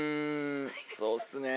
そうっすね。